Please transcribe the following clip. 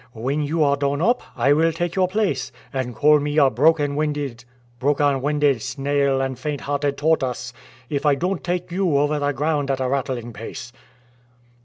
When you are done up, I will take your place; and call me a broken winded snail and faint hearted tortoise if I don't take you over the ground at a rattling pace."